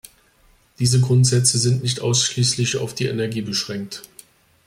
Diese Grundsätze sind nicht ausschließlich auf die Energie beschränkt.